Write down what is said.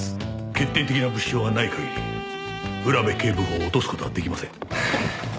決定的な物証がない限り浦部警部補を落とす事は出来ません。